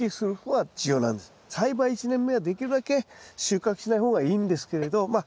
栽培１年目はできるだけ収穫しない方がいいんですけれどまあ